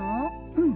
うん。